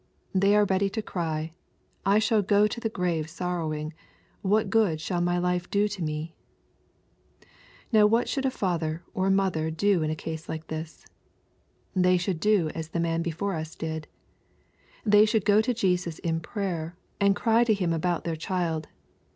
They are ready to cry, "I shall go to the grave sorrowing. What good shall my life do to me ?" Now what should a father or mother do in a case like this ? They should do as the man before us did. They should go to Jesus in prayer, and cry to Him about their child.